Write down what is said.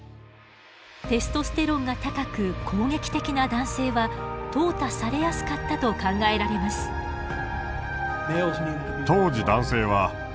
テストステロンが高く攻撃的な男性は淘汰されやすかったと考えられます。